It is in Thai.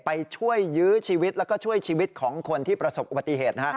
ไปช่วยยื้อชีวิตแล้วก็ช่วยชีวิตของคนที่ประสบอุบัติเหตุนะฮะ